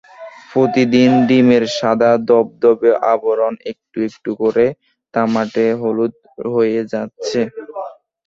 প্রতিদিন ডিমের সাদা ধবধবে আবরণ একটু একটু করে তামাটে হলুদ হয়ে যাচ্ছে।